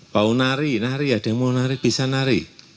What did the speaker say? mau nari nari ada yang mau nari bisa nari